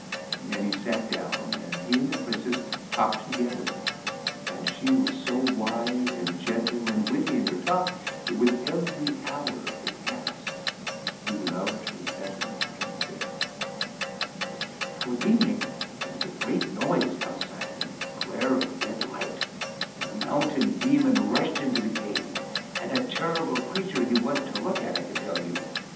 Then he sat down, and he and the Princess talked together, and she was so wise and gentle and witty in her talk that with every hour that passed he loved her better and better. Toward evening there was a great noise out¬ side and a glare of red light, and the Mountain Demon rushed into the cave, and a terrible creature he was to look at, I can tell you.